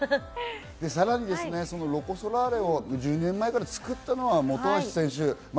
さらにロコ・ソラーレを１２年前から作ったのは本橋選手。